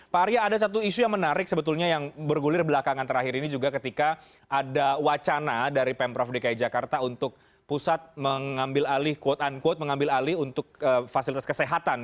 pak arya ada satu isu yang menarik sebetulnya yang bergulir belakangan terakhir ini juga ketika ada wacana dari pemprov dki jakarta untuk pusat mengambil alih quote unquote mengambil alih untuk fasilitas kesehatan